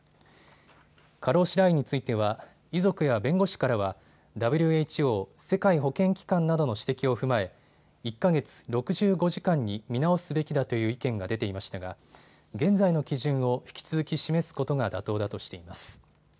過労死ラインについては遺族や弁護士からはＷＨＯ・世界保健機関などの指摘を踏まえ１か月６５時間に見直すべきだという意見が出ていましたが現在の基準を引き続き示すことが妥当だとしています。